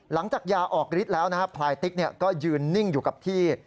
หลังจากยาออกฤทธิ์แล้วนะฮะพลายติ๊กก็ยืนนิ่งอยู่กับที่